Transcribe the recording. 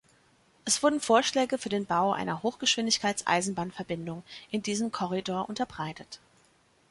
Es wurden Vorschläge für den Bau einer Hochgeschwindigkeits-Eisenbahnverbindung in diesem Korridor unterbreitet.